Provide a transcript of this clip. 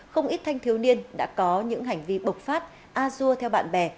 không ít thanh thiếu niên đã có những hành vi bộc phát a dua theo bạn bè